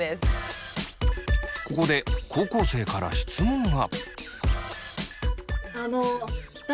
ここで高校生から質問が。